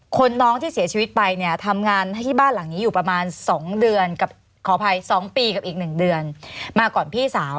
น้องที่เสียชีวิตไปเนี่ยทำงานให้ที่บ้านหลังนี้อยู่ประมาณ๒เดือนกับขออภัย๒ปีกับอีก๑เดือนมาก่อนพี่สาว